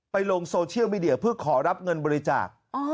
ลงโซเชียลมีเดียเพื่อขอรับเงินบริจาค